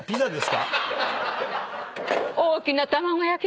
大きな卵焼き！